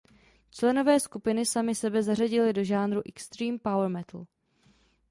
Členové skupiny sami sebe zařadili do žánru „extreme power metal“.